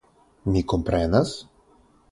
Mi komprenas?